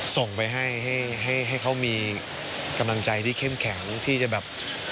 ส่งไปให้เขามีกำลังใจที่เข้มแข็งที่จะแบบ